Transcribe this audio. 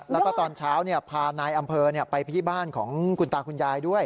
แล้วก็ตอนเช้าพานายอำเภอไปที่บ้านของคุณตาคุณยายด้วย